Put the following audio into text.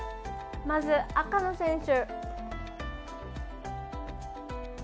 まず赤の選手。